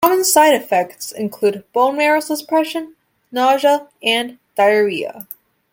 Common side effects include bone marrow suppression, nausea, and diarrhea.